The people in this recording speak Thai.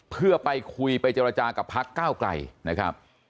เพื่อไปคุยไปเจรจากับพักก้าวไกลนะครับ